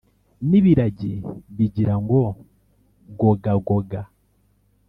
N'ibiragi bigira ngo gogagoga